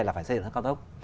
là phải xây dựng sắt cao tốc